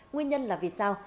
nguyên nhân là vì sao